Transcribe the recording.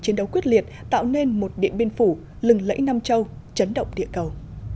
chiến đấu quyết liệt tạo nên một điện biên phủ lừng lẫy nam châu chấn động địa cầu